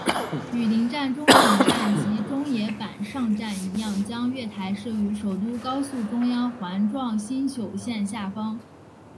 与邻站中井站及中野坂上站一样将月台设于首都高速中央环状新宿线下方。